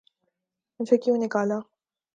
''مجھے کیوں نکالا‘‘۔